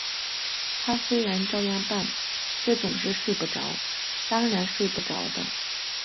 他虽然照样办，却总是睡不着，当然睡不着的